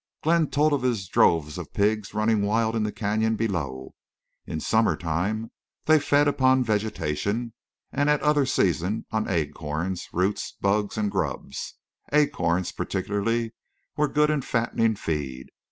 Glenn told of his droves of pigs running wild in the canyon below. In summertime they fed upon vegetation, and at other seasons on acorns, roots, bugs, and grubs. Acorns, particularly, were good and fattening feed.